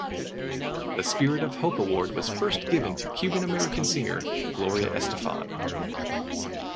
The Spirit of Hope Award was first given to Cuban American singer Gloria Estefan.